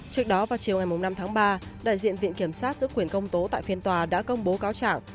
trước đó vào chiều ngày năm tháng ba đại diện viện kiểm sát giữ quyền công tố tại phiên tòa đã công bố cáo trạng